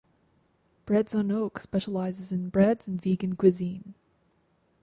Breads On Oak specializes in breads and vegan cuisine.